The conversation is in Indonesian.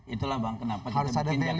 itulah bang kenapa kita bikin jakarta keren bang